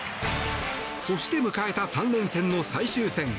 そして迎えた３連戦の最終戦。